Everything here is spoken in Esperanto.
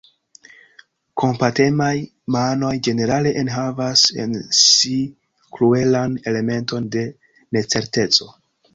Kompatemaj manoj ĝenerale enhavas en si kruelan elementon de necerteco.